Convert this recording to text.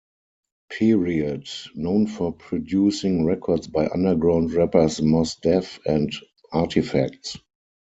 Period, known for producing records by underground rappers Mos Def and Artifacts.